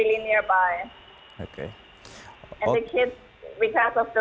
dan anak anak karena kondisi cuaca dan setiap hari ada matahari dan petir